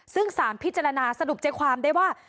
ซึ่งสารพิจารณาสรุปใจความได้ว่า